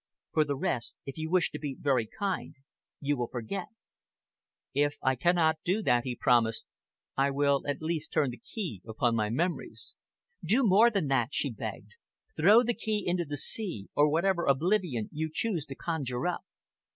For the rest, if you wish to be very kind, you will forget." "If I cannot do that," he promised, "I will at least turn the key upon my memories." "Do more than that," she begged. "Throw the key into the sea, or whatever oblivion you choose to conjure up.